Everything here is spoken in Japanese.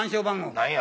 何や？